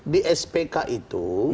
di spk itu